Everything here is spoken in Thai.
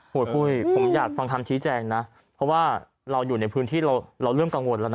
ปุ้ยผมอยากฟังคำชี้แจงนะเพราะว่าเราอยู่ในพื้นที่เราเริ่มกังวลแล้วนะ